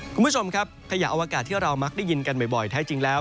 คุณผู้ชมครับขยะอวกาศที่เรามักได้ยินกันบ่อยแท้จริงแล้ว